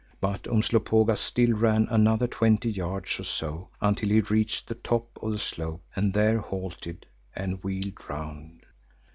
But Umslopogaas still ran another twenty yards or so until he reached the top of the slope and there halted and wheeled round.